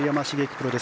プロです。